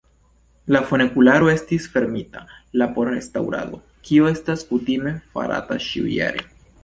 La funikularo estis fermita la por restaŭrado, kio estas kutime farata ĉiujare.